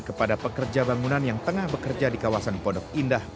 kepada pekerja bangunan yang tengah bekerja di kawasan pondok indah